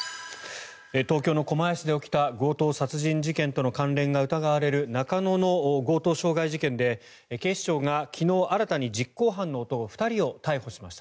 東京・狛江市で起きた強盗殺人事件との関連が疑われる中野の強盗傷害事件で警視庁が昨日新たに実行犯の男２人を逮捕しました。